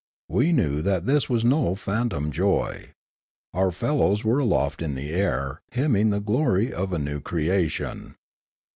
We knew that this waS no phantom joy; our fellows were aloft in the air hymning the glory of a new creation.